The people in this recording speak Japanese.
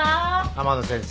天野先生。